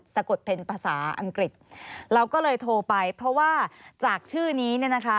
สะกดเป็นภาษาอังกฤษเราก็เลยโทรไปเพราะว่าจากชื่อนี้เนี่ยนะคะ